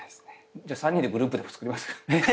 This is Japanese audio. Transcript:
じゃあ３人でグループでもつくりますか？